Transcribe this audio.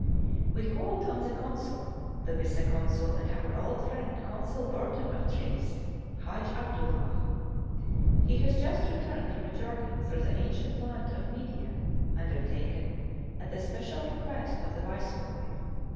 We called on the Consul, the Vice Consul, and our old friend, Consul Burton of Trieste, Haj Abdullah. He has just returned from a journey through the ancient land of Midian, undertaken at the special request of the Viceroy.